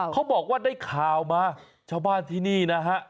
เขาบอกว่าได้ข่าวมาชาวบ้านที่นี่นะฮะ